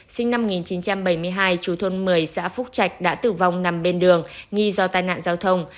sinh năm một nghìn chín trăm bảy mươi hai chú thôn một mươi xã phúc trạch đã tử vong nằm bên đường nghi do tai nạn giao thông